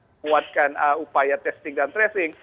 menguatkan upaya testing dan tracing